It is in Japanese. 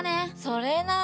それな。